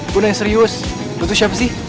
gue yang serius lo tuh siapa sih